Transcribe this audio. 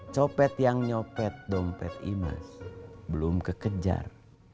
copet yang nyopet dompet imas belum kekejar